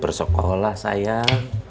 terima kasih sayang